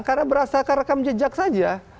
karena berasakan rekam jejak saja